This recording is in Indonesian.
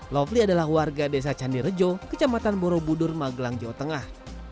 lofli adalah warga desa candirejo kecamatan borobudur magelang jawa tengah